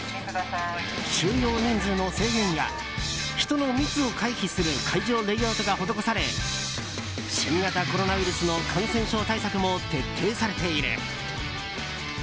収容人数の制限や人の密を回避する会場レイアウトが施され新型コロナウイルスの感染症対策も徹底されている。